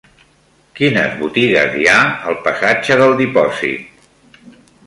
Quines botigues hi ha al passatge del Dipòsit?